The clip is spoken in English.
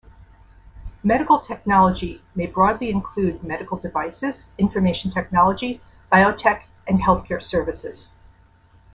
Medical technology may broadly include medical devices, information technology, biotech, and healthcare services.